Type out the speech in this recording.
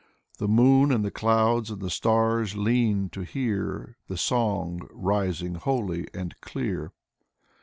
The moon and the clouds and the stars leaned to hear The song rising holy and clear.